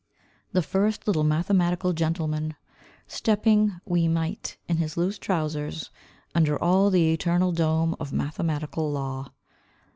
The first little mathematical gentleman Stepping, wee mite, in his loose trousers Under all the eternal dome of mathematical law.